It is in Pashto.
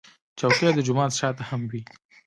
چوکۍ د جومات شا ته هم وي.